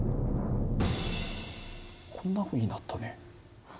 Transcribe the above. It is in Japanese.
こんなふうになったね。